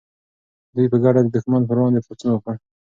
دوی په ګډه د دښمن پر وړاندې پاڅون وکړ.